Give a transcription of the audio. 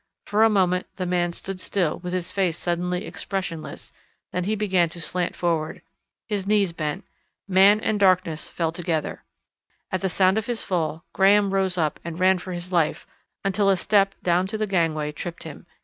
For a moment the man stood still with his face suddenly expressionless, then he began to slant forward. His knees bent. Man and darkness fell together. At the sound of his fall Graham rose up and ran for his life until a step down to the gangway tripped him.